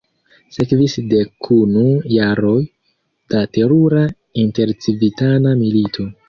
Sekvis dekunu jaroj da terura intercivitana milito.